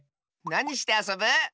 なにしてあそぶ？